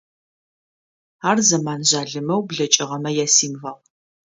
Ар зэман жъалымэу блэкӏыгъэмэ ясимвол.